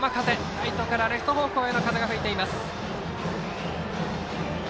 ライトからレフト方向の風が吹いています。